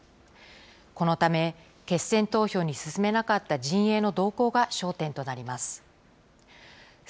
このため、決選投票に進めなかった陣営の動向が焦点となります。